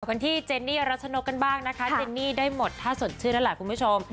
กันที่เจนนี่รัชนกกันบ้างนะคะเจนนี่ได้หมดถ้าสดชื่นนั่นแหละคุณผู้ชม